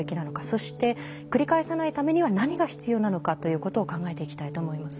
そして繰り返さないためには何が必要なのかということを考えていきたいと思います。